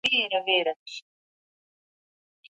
کمپيوټر د دين مرسته کوي.